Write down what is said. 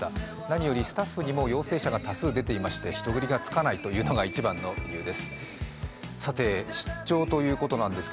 何よりスタッフにも陽性者が多数出ておりまして人繰りがつかないというのが一番の理由です。